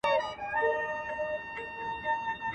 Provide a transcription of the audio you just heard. دوی د موجوداتو په بادار عقیده لري.